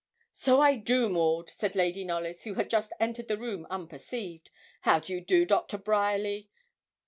'So I do, Maud,' said Lady Knollys, who had just entered the room unperceived, 'How do you do, Doctor Bryerly?